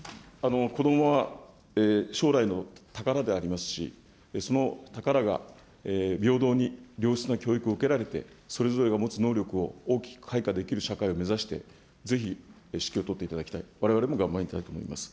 子どもは将来の宝でありますし、その宝が平等に良質な教育を受けられて、それぞれが持つ能力を大きく開花できる社会を目指して、ぜひ指揮を執っていただきたい、われわれも頑張りたいと思います。